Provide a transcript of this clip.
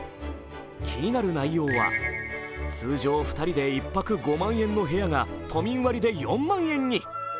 気になる内容は通常２人で１泊５万円の部屋が都民割で４万円に。